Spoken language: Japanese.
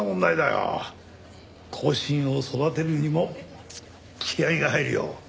後進を育てるにも気合が入るよ。